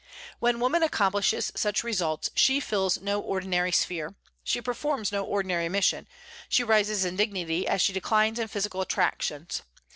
When woman accomplishes such results she fills no ordinary sphere, she performs no ordinary mission; she rises in dignity as she declines in physical attractions.